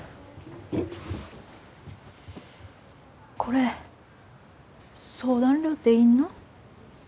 これ相談料って要んの？